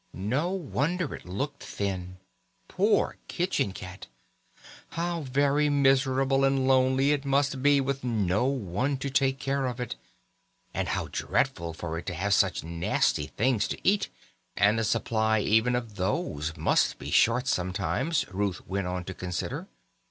No wonder it looked thin! Poor kitchen cat! How very miserable and lonely it must be with no one to take care of it, and how dreadful for it to have such nasty things to eat! And the supply even of these must be short sometimes, Ruth went on to consider.